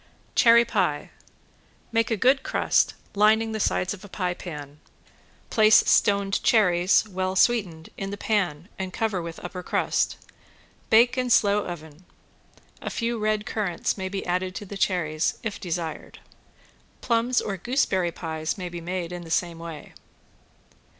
~CHERRY PIE~ Make a good crust, lining the sides of a pie pan. Place stoned cherries, well sweetened, in the pan and cover with upper crust. Bake in slow oven. (A few red currants may be added to the cherries if desired.) Plums or gooseberry pies may be made in the same way.